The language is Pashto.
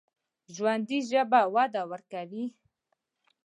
ژوندي ژبه وده ورکوي